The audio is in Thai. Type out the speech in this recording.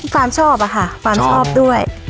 ฟาร์มชอบค่ะฟาร์มชอบด้วย